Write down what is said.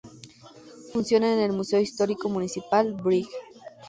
Funcionan en el Museo Histórico Municipal "Brig.